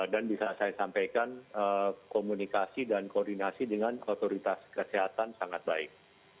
dan bisa saya sampaikan komunikasi dan koordinasi dengan otoritas kesehatan sangat baik